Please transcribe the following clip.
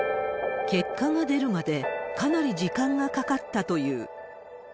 結果が出るまでかなり時間がかかったという。